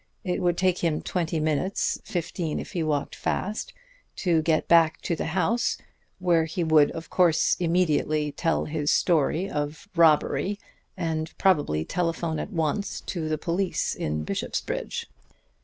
It would take him twenty minutes, fifteen if he walked fast, to get back to the house, where he would of course immediately tell his story of robbery, and probably telephone at once to the police in Bishopsbridge.